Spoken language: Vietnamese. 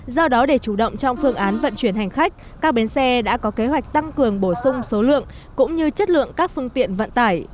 do đó để chủ động trong phương án vận chuyển hành khách các bến xe đã có kế hoạch tăng cường bổ sung số lượng cũng như chất lượng các phương tiện vận tải